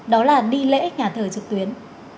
đó là đi lễ nhà thờ trực tuyến